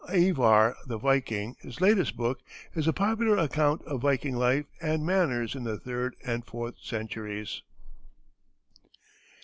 "Ivar the Viking," his latest book, is a popular account of Viking life and manners in the third and fourth centuries.